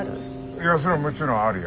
いやそれはもちろんあるよ。